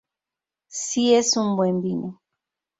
si es un buen vino